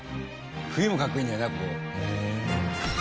冬もかっこいいんだよな